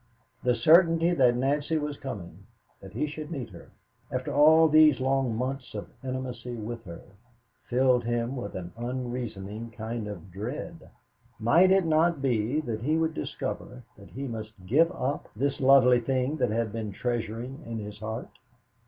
The certainty that Nancy was coming, that he should meet her, after all these long months of intimacy with her, filled him with an unreasoning kind of dread. Might it not be that he would discover that he must give up this lovely thing that he had been treasuring in his heart?